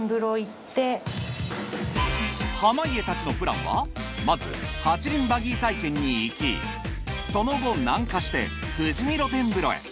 濱家たちのプランはまず８輪バギー体験に行きその後南下して富士見露天風呂へ。